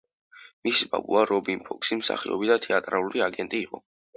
მისი ბაბუა რობინ ფოქსი მსახიობი და თეატრალური აგენტი იყო.